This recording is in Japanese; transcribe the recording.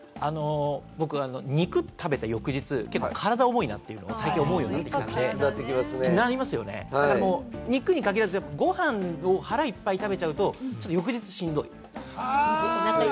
僕、肉食べた翌日、体重いなって最近感じるようになったんで、肉に限らず、ご飯を腹いっぱい食べちゃうと、翌日しんどい。